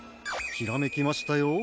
ひらめきましたよ。